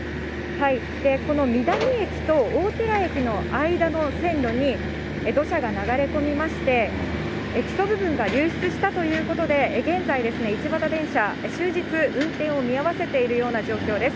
この美談駅と大寺駅の間の線路に、土砂が流れ込みまして、基礎部分が流出したということで、現在、一畑電車、終日運転を見合わせているような状況です。